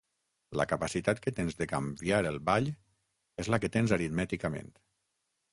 La capacitat que tens de canviar el ball és la que tens aritmèticament.